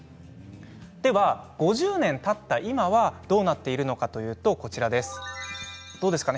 では５０年たった今はどうなっているのかというとどうですか？